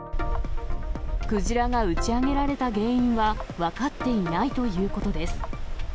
クジラが打ち上げられた原因は分かっていないということです。